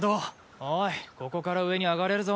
おいここから上に上がれるぞ。